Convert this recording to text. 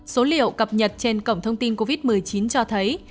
số liệu cập nhật trên cổng thông tin covid một mươi chín cho thấy